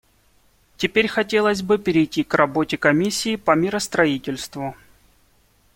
Теперь хотелось бы перейти к работе Комиссии по миростроительству.